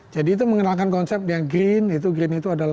jadi itu mengenalkan konsep yang green itu